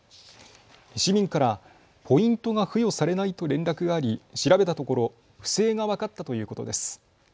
市民からポイントが付与されないと連絡があり調べたところ不正が分かったということです。